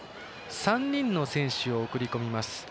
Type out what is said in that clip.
３人の選手を送り込みます。